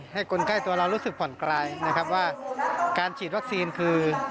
ให้คนใกล้ตัวเรารู้สึกผ่อนคลายนะครับว่าการฉีดวัคซีนคือ